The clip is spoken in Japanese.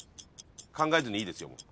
考えずにいいですよ。